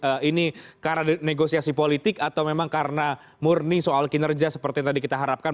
apakah ini karena negosiasi politik atau memang karena murni soal kinerja seperti yang tadi kita harapkan